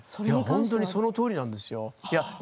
本当にそのとおりなんですよ。